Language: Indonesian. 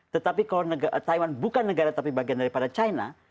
tetapi kalau taiwan bukan negara tapi bagian daripada china